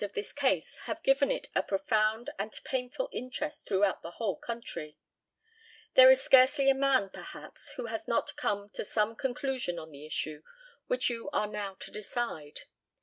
The peculiar circumstances of this case have given it a profound and painful interest throughout the whole country. There is scarcely a man, perhaps, who has not come to some conclusion on the issue which you are now to decide.